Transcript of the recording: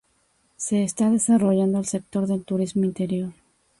Se está desarrollando el sector del turismo interior.